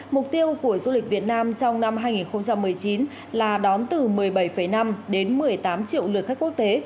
mục tiêu của du lịch việt nam trong năm hai nghìn một mươi chín là đón từ một mươi bảy năm đến một mươi tám triệu lượt khách quốc tế